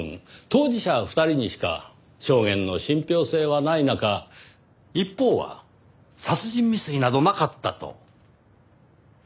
当事者２人にしか証言の信憑性はない中一方は殺人未遂などなかったと。